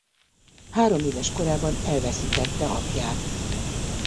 Hároméves korában elveszítette apját.